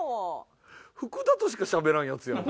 福田としかしゃべらんヤツやんこいつ。